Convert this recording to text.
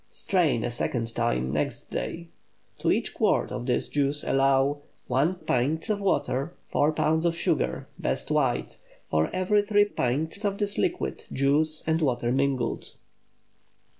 Strain a second time next day. To each quart of this juice allow 1 pint of water. 5 lbs. of sugar (best white) for every 3 pints of this liquid, juice and water mingled.